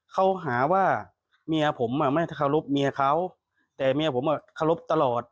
เขาหาว่าเมียผมอ่ะไม่เคารพเมียเขาแต่เมียผมอ่ะเคารพตลอด